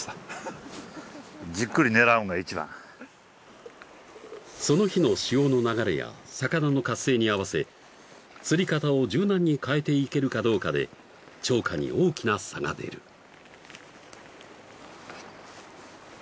フフッじっくり狙うんがいちばんその日の潮の流れや魚の活性に合わせ釣り方を柔軟に変えていけるかどうかで釣果に大きな差が出る